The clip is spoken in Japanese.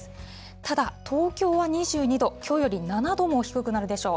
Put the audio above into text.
ただ、東京は２２度、きょうより７度も低くなるでしょう。